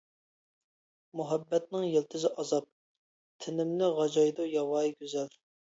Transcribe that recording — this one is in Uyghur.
مۇھەببەتنىڭ يىلتىزى ئازاب، تىنىمنى غاجايدۇ ياۋايى گۈزەل.